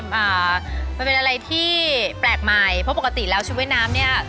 อ่ามันเป็นอะไรที่แปลกใหม่เพราะปกติแล้วชุดว่ายน้ำเนี้ย